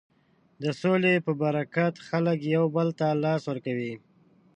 د سولې په برکت خلک یو بل ته لاس ورکوي.